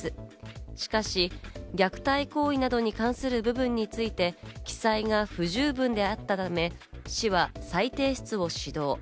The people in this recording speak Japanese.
しかし、虐待行為などに関する部分について記載が不十分であったため、市は再提出を指導。